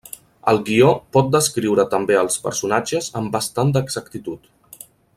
El guió pot descriure també els personatges amb bastant d'exactitud.